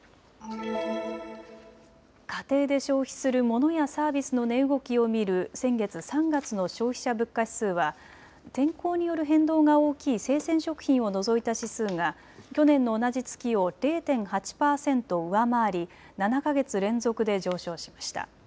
家庭で消費するモノやサービスの値動きを見る先月３月の消費者物価指数は天候による変動が大きい生鮮食品を除いた指数が去年の同じ月を０．８％上回り７か月連続で上昇しました。